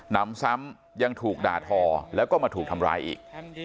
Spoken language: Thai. นำซ้ำยังถูกด่าทอแล้วก็มาถูกทำร้ายอีก